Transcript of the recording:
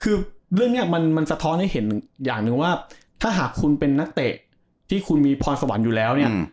คือเรื่องนี้มันสะท้อนให้เห็นอย่างหนึ่งว่าถ้าหากคุณเป็นนักเตะที่คุณมีพรสวรรค์อยู่แล้วเนี่ย